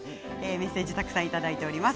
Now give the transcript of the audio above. メッセージたくさんいただいております。